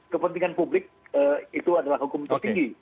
kepentingan publik itu adalah hukum tertinggi